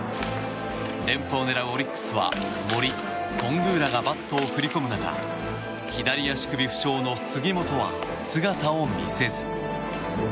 連覇を狙うオリックスは森、頓宮らがバットを振り込む中左足首負傷の杉本は姿を見せず。